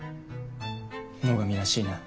野上らしいな。